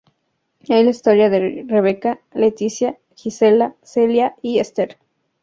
Es la historia de Rebeca, Leticia, Gisela, Celia y Esther.